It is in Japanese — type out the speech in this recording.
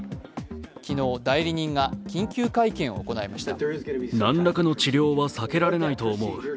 昨日、代理人が緊急会見を行いました。